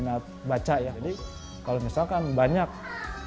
jadi kalau misalkan banyak yang melakukan sesuatu kita bisa melakukan sesuatu